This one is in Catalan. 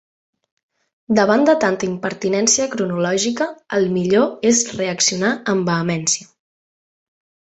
Davant de tanta impertinència cronològica, el millor és reaccionar amb vehemència.